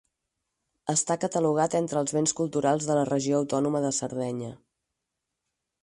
Està catalogat entre els Béns Culturals per la Regió Autònoma de Sardenya.